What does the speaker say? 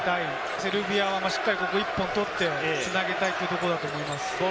セルビアはしっかりと１本取って、繋げたいところだと思います。